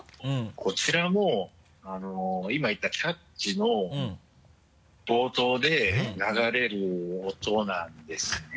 こちらも今言った「キャッチ！」の冒頭で流れる音なんですね。